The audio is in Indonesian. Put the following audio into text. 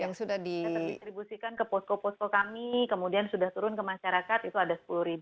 yang sudah didistribusikan ke posko posko kami kemudian sudah turun ke masyarakat itu ada sepuluh